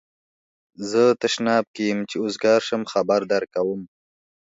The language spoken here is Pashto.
زه تشناب کی یم چی اوزګار شم خبر درکوم